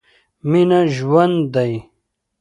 مينه ژوند دی.